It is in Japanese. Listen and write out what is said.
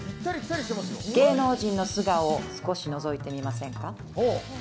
芸能人の素顔を少し覗いてみませんか。